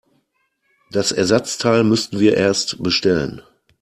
Das Ersatzteil müssten wir erst bestellen.